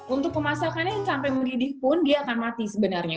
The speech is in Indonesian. untuk pemasakannya sampai mendidih pun dia akan mati sebenarnya